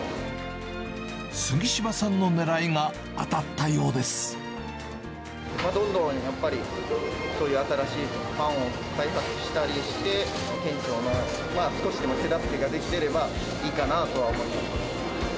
杉島さんのねらいが当たったどんどんやっぱり、そういう新しいパンを開発したりして、店長の、少しでも手助けができればいいかなと思います。